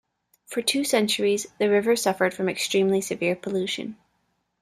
For two centuries, the river suffered from extremely severe pollution.